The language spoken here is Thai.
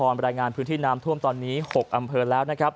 บรรยายงานพื้นที่นามถ้วม๖อำเภอแล้ว